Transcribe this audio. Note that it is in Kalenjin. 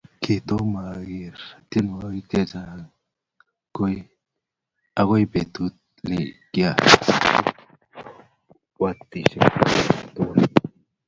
kitoma agere tiongik che chang koi petut ne kiaruwastachi olindok